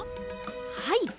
はい。